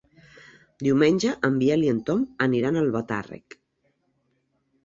Diumenge en Biel i en Tom aniran a Albatàrrec.